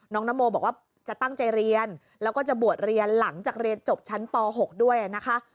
นโมบอกว่าจะตั้งใจเรียนแล้วก็จะบวชเรียนหลังจากเรียนจบชั้นป๖ด้วยนะคะ